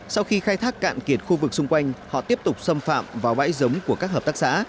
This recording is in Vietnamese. sau khi khai thác cạn kiệt khu vực xung quanh họ tiếp tục xâm phạm vào bãi giống của các hợp tác xã